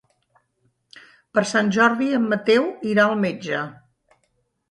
Per Sant Jordi en Mateu irà al metge.